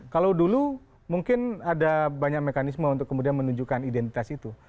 kalau dulu mungkin ada banyak mekanisme untuk kemudian menunjukkan identitas itu